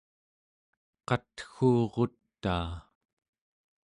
qatguurutaa